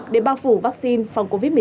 để bao phủ vaccine phòng covid một mươi chín